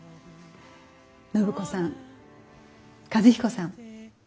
暢子さん和彦さん。